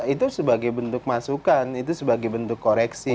itu sebagai bentuk masukan itu sebagai bentuk koreksi